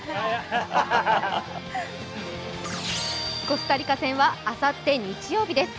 コスタリカ戦はあさって日曜日です。